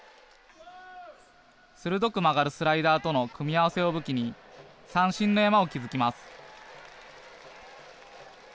鋭く曲がるスライダーとの組み合わせを武器に三振の山を築きます。